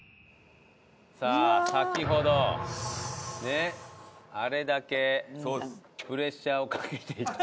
さあ先ほどねっあれだけプレッシャーをかけていた。